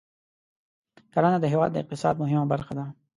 کرنه د هېواد د اقتصاد مهمه برخه ده.